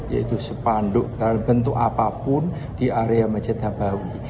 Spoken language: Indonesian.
yaitu sepanduk dalam bentuk apapun di area masjid nabawi